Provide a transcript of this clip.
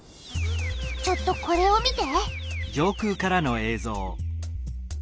ちょっとこれを見て。